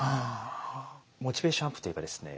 モチベーションアップといえばですね